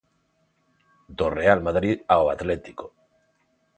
Do Real Madrid ao Atlético.